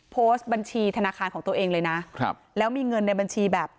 โพสต์บัญชีธนาคารของตัวเองเลยนะครับแล้วมีเงินในบัญชีแบบ